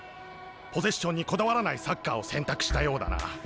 ポゼッションにこだわらないサッカーを選択したようだな。